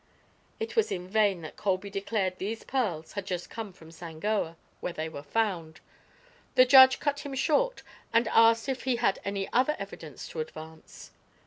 It was in vain that Colby declared these pearls had just come from Sangoa, where they were found. The judge cut him short and asked if he had any other evidence to advance.